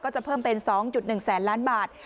จะเพิ่มเป็น๒๑แสนล้านบาท